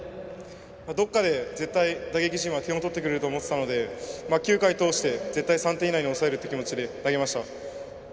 どこかで絶対、打撃陣は点を取ってくれると思ってたので９回通して、絶対３点以内に抑えるという気持ちで投げました。